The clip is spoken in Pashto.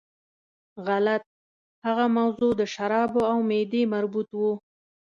غلط، هغه موضوع د شرابو او معدې مربوط وه.